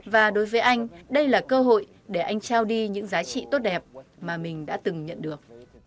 và đối với anh đây là cơ hội để anh trao đi những giá trị tốt đẹp mà mình đã từng nhận được